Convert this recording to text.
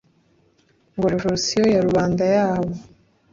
ngo revorisiyo ya rubanda yabo